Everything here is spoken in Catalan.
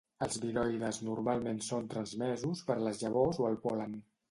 Els viroides normalment són transmesos per les llavors o el pol·len.